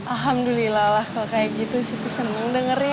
alhamdulillah lah kalau kayak gitu siti seneng dengernya